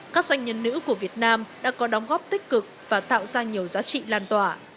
các doanh nhân nữ của việt nam đã có đóng góp tích cực và tạo ra nhiều giá trị lan tỏa